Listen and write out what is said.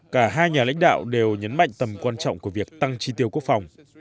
cả hai nhà lãnh đạo đều nhấn mạnh tầm quan trọng của việc tăng tri tiêu quốc phòng